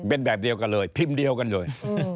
เป็นแบบเดียวกันเลยพิมพ์เดียวกันเลย